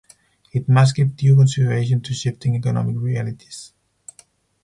It must give due consideration to shifting economic realities.